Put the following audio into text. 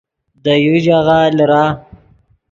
دے یو ژاغہ لیرہ